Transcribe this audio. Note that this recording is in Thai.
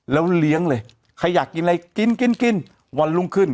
แล้วเลี้ยงเลยใครอยากกินอะไรกินกินกินวันรุ่งขึ้น